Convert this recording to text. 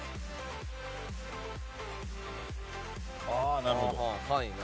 ああなるほど。